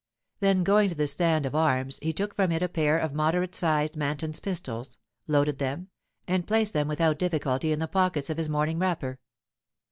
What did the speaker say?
Then going to the stand of arms, he took from it a pair of moderate sized Manton's pistols, loaded them, and placed them without difficulty in the pockets of his morning wrapper.